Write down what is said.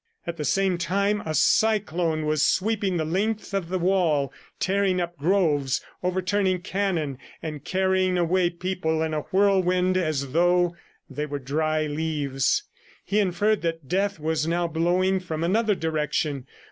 At the same time, a cyclone was sweeping the length of the wall, tearing up groves, overturning cannon and carrying away people in a whirlwind as though they were dry leaves. He inferred that Death was now blowing from another direction.